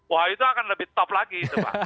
wah itu akan lebih top lagi